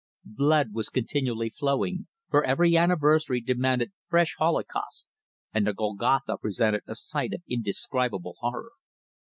Blood was continually flowing, for every anniversary demanded fresh holocausts, and the "Golgotha" presented a sight of indescribable horror.